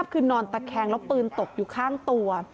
คือนอนตะแคงแล้วปืนตกอยู่ข้างตัว